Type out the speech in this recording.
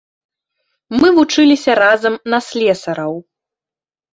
Мы вучыліся разам на слесараў.